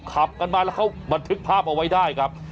ขับกันมาแล้วเขาบันทึกภาพเอาไว้ได้ครับ